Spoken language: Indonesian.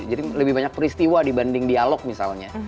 jadi lebih banyak peristiwa dibanding dialog misalnya